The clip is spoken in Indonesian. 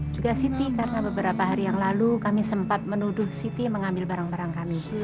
juga siti karena beberapa hari yang lalu kami sempat menuduh siti mengambil barang barang kami